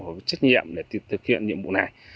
có trách nhiệm để thực hiện nhiệm vụ này